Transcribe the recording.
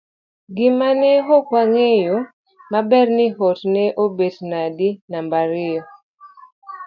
gimane ok wang'eyo maber ni to ne obet nadi namba ariyo